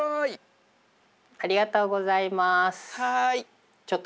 ありがとうございます。